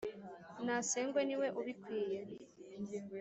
nasengwe ni we ubikwiye